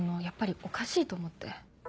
やっぱりおかしいと思って。